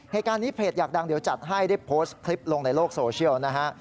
เหตุการณ์นี้เพจอยากดังเดี๋ยวจัดให้ได้โพสต์คลิปลงในโลกโซเชียลนะฮะ